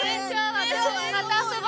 また遊ぼ。